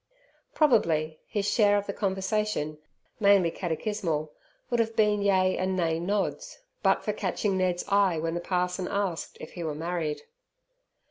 Probably his share of the conversation, mainly catechismal, would have been yea and nay nods, but for catching Ned's eye when the parson asked if he were married.